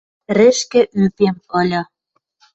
Рӹшкӹ ӱпем ыльы